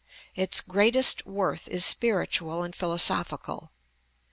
Its greatest worth is spiritual and philosophical.